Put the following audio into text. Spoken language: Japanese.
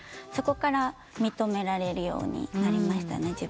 そこから認められるようになりましたね。